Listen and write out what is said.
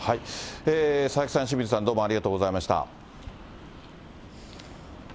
佐々木さん、清水さんどうもありがとうございました。